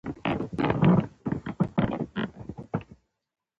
دښتې د افغانستان د سیلګرۍ برخه ده.